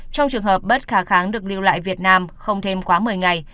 trong trường hợp bất khả kháng được lưu lại việt nam không thêm quá một mươi ngày